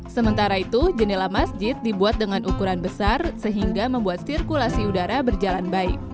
sementara itu jendela masjid dibuat dengan ukuran besar sehingga membuat sirkulasi udara berjalan baik